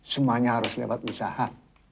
semuanya harus lewat usaha